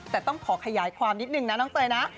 แต่ต้องขอขยายความนิดนึงนะน้องเตยนะ